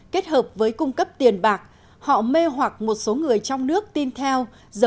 kết hợp với cung cấp tiền bạc họ mê hoạc một số người trong nước tin theo